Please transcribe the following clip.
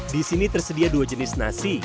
di sini tersedia dua jenis nasi